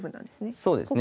そうですね。